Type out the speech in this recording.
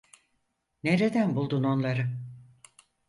Nereden buldun onları?